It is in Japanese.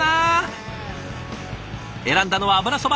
選んだのは油そば。